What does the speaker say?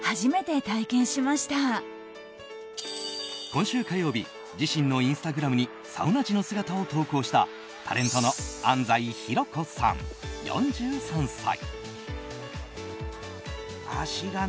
今週火曜日自身のインスタグラムにサウナ時の姿を投稿したタレントの安西ひろこさん、４３歳。